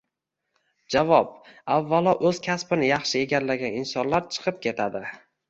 Javob: avvalo o‘z kasbini yaxshi egallagan insonlar chiqib ketadi.